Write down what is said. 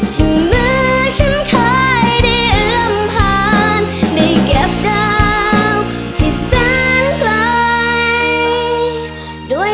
ที่เหมือฉันเคยได้เอิมพา